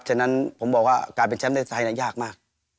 ฉะนั้นผมบอกว่าการเป็นแชมป์ในไทยยากมาก